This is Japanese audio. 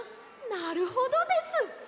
なるほどです。